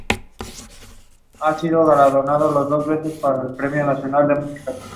Tuvo una amplia trayectoria muy destacada como periodista investigativa.